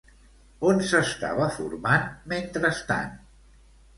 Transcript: On s'estava formant mentrestant?